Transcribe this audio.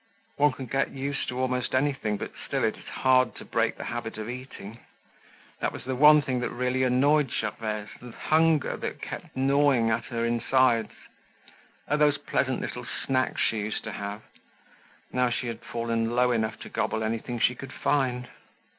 One could get used to almost anything, but still, it is hard to break the habit of eating. That was the one thing that really annoyed Gervaise, the hunger that kept gnawing at her insides. Oh, those pleasant little snacks she used to have. Now she had fallen low enough to gobble anything she could find.